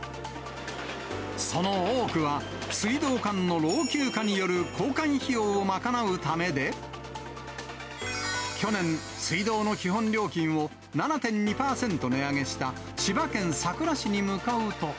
その多くは、水道管の老朽化による交換費用を賄うためで、去年、水道の基本料金を７．２％値上げした千葉県佐倉市に向かうと。